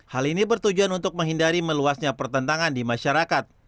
hal ini bertujuan untuk menghindari meluasnya pertentangan di masyarakat